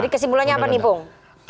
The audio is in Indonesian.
jadi kesimpulannya apa nih bapak